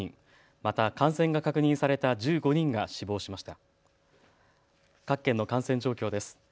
また感染が確認された１５人が死亡しました。